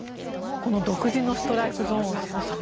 この独自のストライクゾーン瀬尾さん